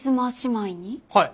はい。